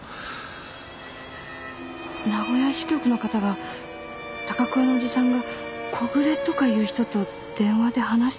名古屋支局の方が高桑のおじさんが木暮とかいう人と電話で話してたって言ってました。